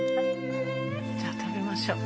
じゃあ食べましょう。